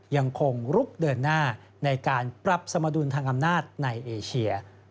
ยังคงลุกเดินหน้าในการปรับสมดุลทางอำนาจในเอเชีย